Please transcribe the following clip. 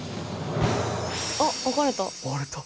あっ分かれた。